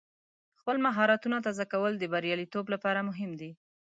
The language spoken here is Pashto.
خپل مهارتونه تازه کول د بریالیتوب لپاره مهم دی.